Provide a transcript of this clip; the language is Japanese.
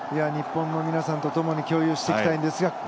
日本の皆さんとともに共有していきたいんですよ